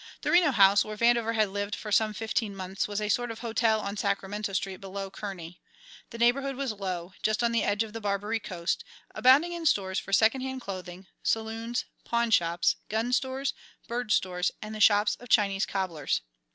The Reno House, where Vandover had lived for some fifteen months, was a sort of hotel on Sacramento Street below Kearney. The neighbourhood was low just on the edge of the Barbary Coast, abounding in stores for second hand clothing, saloons, pawnshops, gun stores, bird stores, and the shops of Chinese cobblers.